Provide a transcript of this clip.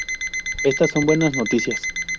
Estas son buenas noticias.